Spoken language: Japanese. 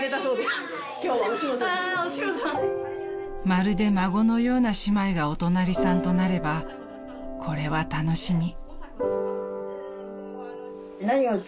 ［まるで孫のような姉妹がお隣さんとなればこれは楽しみ］